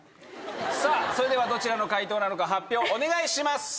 さあそれではどちらの回答なのか発表お願いします。